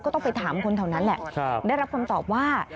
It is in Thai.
ต้องไปถามคนแถวนั้นแหละได้รับคำตอบว่า